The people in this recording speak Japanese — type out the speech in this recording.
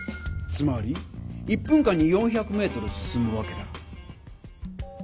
つまり１分間に４００メートル進むわけだ。